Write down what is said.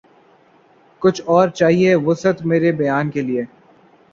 کچھ اور چاہیے وسعت مرے بیاں کے لیے